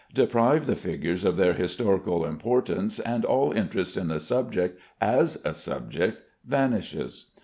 Deprive the figures of their historical importance, and all interest in the subject (as a subject) vanishes.